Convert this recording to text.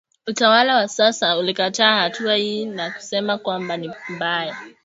Utawala wa sasa ulikataa hatua hii na kusema kwamba ni mbaya